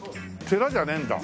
寺じゃねえんだ。